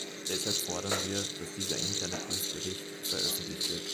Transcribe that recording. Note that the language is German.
Deshalb fordern wir, dass dieser interne Prüfbericht veröffentlicht wird.